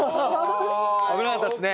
危なかったですね。